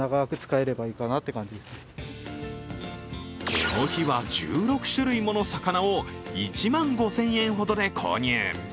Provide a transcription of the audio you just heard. この日は１６種類もの魚を１万５０００円ほどで購入。